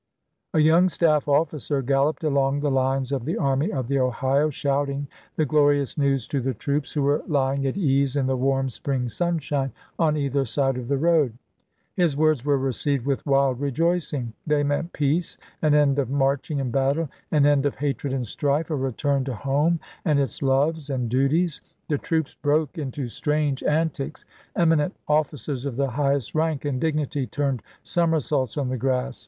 A young staff officer galloped along the lines of the Army of the Ohio shouting the glorious news to the troops who were lying at ease in the warm spring sunshine on either side of the road. His words were received with wild rejoicing ; they meant peace, an end of march captain ing and battle, an end of hatred and strife, a return A. J. Ricks, , n carried the to nome an0^ its loves and duties. The troops broke NLee8's0f in^° strange antics, eminent officers of the highest totK^y rank and dignity turned somersaults on the grass.